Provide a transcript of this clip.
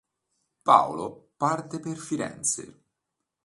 Paolo parte per Firenze.